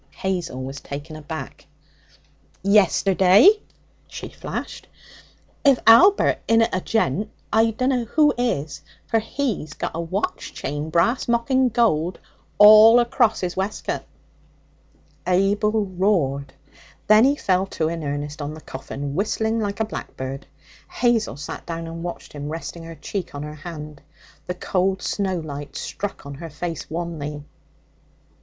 Hazel was taken aback. 'Yesterday!' she flashed. 'If Albert inna a gent I dunno who is, for he's got a watch chain brass mockin' gold all across his wescoat.' Abel roared. Then he fell to in earnest on the coffin, whistling like a blackbird. Hazel sat down and watched him, resting her cheek on her hand. The cold snowlight struck on her face wanly.